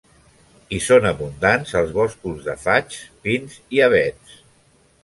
Hi són abundants els boscos de faigs, pins i avets.